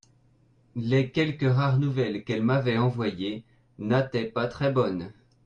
Les quelques rares nouvelles qu'elle m'avait envoyées n'ataient pas très bonnes.